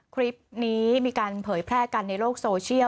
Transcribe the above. คลิปนี้มีการเผยแพร่กันในโลกโซเชียล